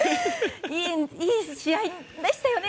いい試合でしたよね。